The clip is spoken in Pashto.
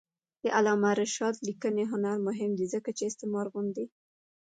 د علامه رشاد لیکنی هنر مهم دی ځکه چې استعمار غندي.